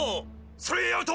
スリーアウト！